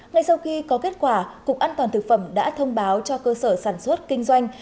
ngay sau khi có kết quả cục an toàn thực phẩm đã thông báo cho cơ sở sản xuất kinh doanh